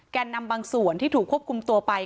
แก่นำบางส่วนที่ถูกควบคุมตัวไป